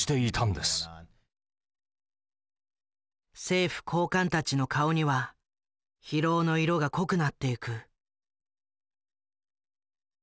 政府高官たちの顔には疲労の色が濃くなっていく。